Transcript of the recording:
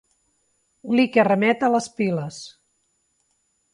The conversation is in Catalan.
Li que remet a les piles.